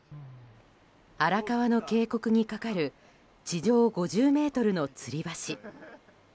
荒川の渓谷に架かる地上５０ｍのつり橋。